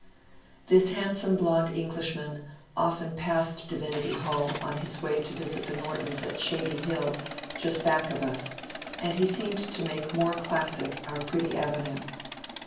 '* This handsome blond Englishman often passed Divinity Hall on his way to visit the Nortons at " Shady Hill," just back of us, and he seemed to make more classic our pretty avenue.